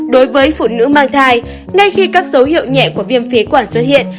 đối với phụ nữ mang thai ngay khi các dấu hiệu nhẹ của viêm phế quản xuất hiện